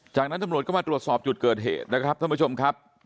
จากนั้นตำรวจก็มาตรวจสอบจุดเกิดเหตุนะครับท่านผู้ชมครับ